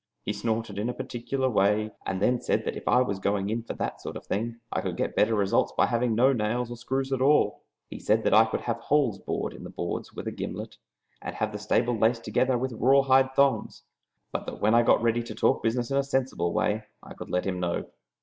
He snorted in a peculiar way and then said that if I was going in for that sort of thing I could get better results by having no nails or screws at all. He said I could have holes bored in the boards with a gimlet, and have the stable laced together with rawhide thongs, but that when I got ready to talk business in a sensible way, I could let him know.